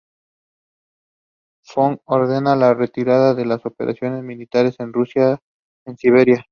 Fang ordena la retirada de las operaciones militares en Rusia en Siberia.